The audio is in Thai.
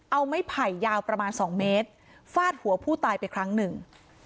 เอาไม้ไผ่ยาวประมาณ๒เมตรฟาดหัวผู้ตายไปครั้งหนึ่ง